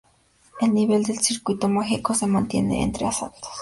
El nivel del Circuito Mágico se mantiene entre asaltos.